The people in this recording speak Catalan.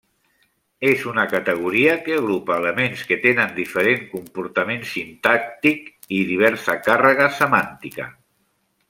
És una categoria que agrupa elements que tenen diferent comportament sintàctic i diversa càrrega semàntica.